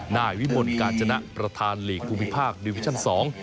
นายวิมลกาญจนะประธานหลีกภูมิภาคดิวิชั่นสอง